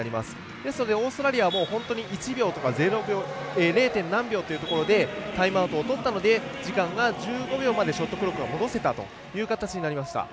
ですので、オーストラリアも本当に１秒とか０点何秒というところでタイムアウトをとったので時間が１５秒までショットクロックが戻せたという形になりました。